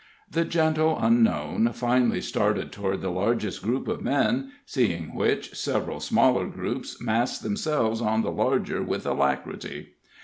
The gentle unknown finally started toward the largest group of men, seeing which, several smaller groups massed themselves on the larger with alacrity.